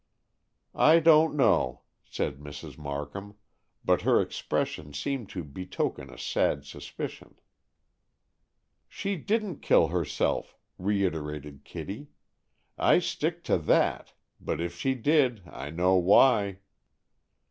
"I don't know," said Mrs. Markham, but her expression seemed to betoken a sad suspicion. "She didn't kill herself," reiterated Kitty. "I stick to that, but if she did, I know why."